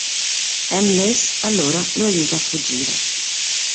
M'Liss, allora, lo aiuta a fuggire.